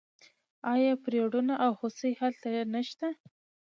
آیا پریړونه او هوسۍ هلته نشته؟